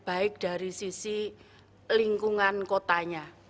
baik dari sisi lingkungan kotanya